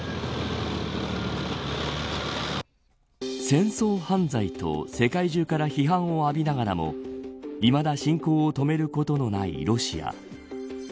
戦争犯罪と世界中から批判を浴びながらもいまだ侵攻を止めることのないロシア。